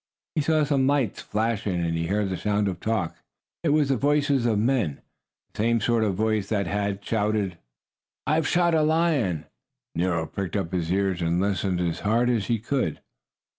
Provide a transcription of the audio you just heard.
He saw some lights flashing and he heard the sound of talk. It was the voices of men the same sort of voice that had shouted: "I have shot a lion!" Nero pricked up his ears and listened as hard as he could.